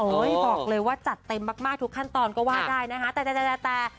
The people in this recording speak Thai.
บอกเลยว่าจัดเต็มมากทุกขั้นตอนก็ว่าได้นะคะแต่แต่